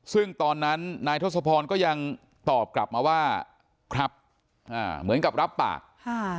ซึ่งตอนนั้นนายทศพรก็ยังตอบกลับมาว่าครับอ่าเหมือนกับรับปากค่ะ